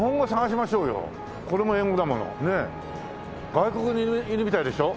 外国にいるみたいでしょ。